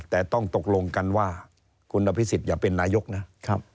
แต่ต้องตกลงกันว่าคุณนพิศิษฐ์อย่าเป็นนายกนะ